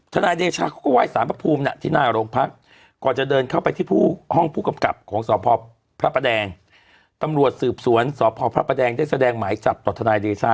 ตำรวจสืบสวนสพพระแดงได้แสดงหมายจับต่อทนายเดชา